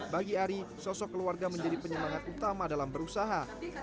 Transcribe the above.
bagi ari sosok keluarga menjadi penyemangat utama dalam berusaha